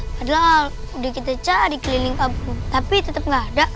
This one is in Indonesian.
padahal udah kita cari keliling kabur tapi tetep gak ada